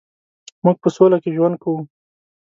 مونږ په سوله کې ژوند کوو